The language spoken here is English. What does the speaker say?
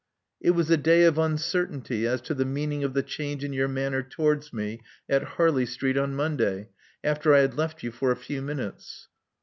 It was a day of uncertainty as to the meaning of the change in your manner towards me at Harley Street on Monday, after I had left you for a few minutes.'